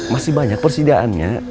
masih banyak persediaannya